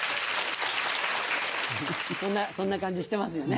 そんな感じしてますよね。